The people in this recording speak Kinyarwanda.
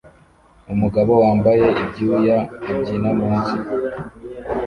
Umugabo wambaye ibyuya abyina munsi